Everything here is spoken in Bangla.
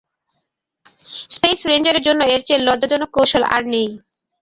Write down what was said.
স্পেস রেঞ্জারের জন্য এর চেয়ে লজ্জাজনক কৌশল আর নেই।